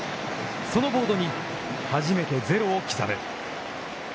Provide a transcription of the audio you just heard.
そのボードに初めてゼロを刻む。